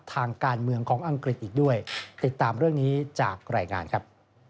ทางการเมืองของอังกฤษอีกด้วยติดตามเรื่องนี้จากรายงานครับ